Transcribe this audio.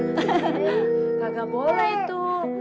nggak boleh itu